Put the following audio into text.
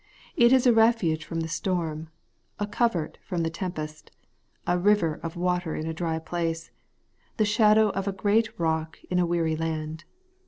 It is a refuge from the storm, a covert from the tempest, a river of water in a dry place, the shadow of a great rock in a weary land.